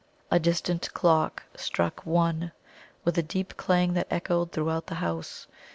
A distant clock struck ONE! with a deep clang that echoed throughout the house.